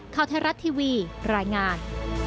ข่าวไทยรัฐทีวีรายงาน